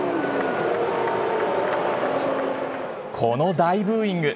この大ブーイング。